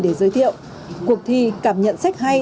để giới thiệu cuộc thi cảm nhận sách hay